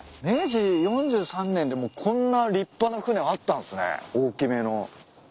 明治４３年でもうこんな立派な船あったんすね大きめの。